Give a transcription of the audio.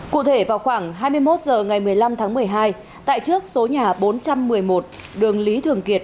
cụ thể vào khoảng hai mươi một h ngày một mươi năm tháng một mươi hai tại trước số nhà bốn trăm một mươi một đường lý thường kiệt